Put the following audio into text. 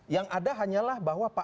yang ada hanyalah bahwa pak